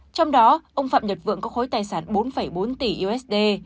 trong đó ông phạm nhật vượng có khối tài sản bốn bốn tỷ usd